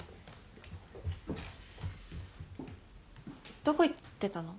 どこ行ってたの？